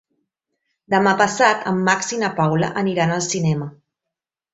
Demà passat en Max i na Paula aniran al cinema.